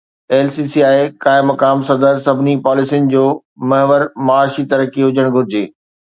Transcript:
LCCI قائم مقام صدر سڀني پاليسين جو محور معاشي ترقي هجڻ گهرجي